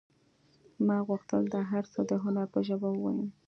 ما غوښتل دا هر څه د هنر په ژبه ووایم